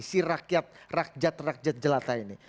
si rakyat rakjat rakjat jelata ini